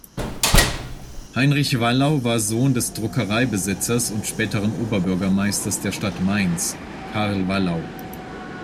Heinrich Wallau war Sohn des Druckereibesitzers und späteren Oberbürgermeisters der Stadt Mainz, Carl Wallau.